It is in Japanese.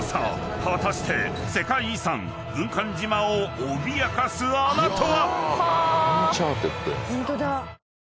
果たして世界遺産軍艦島を脅かす穴とは⁉］